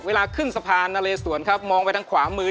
เวลาขึ้นสะพานนาเลสวนครับมองไปทางขวามือ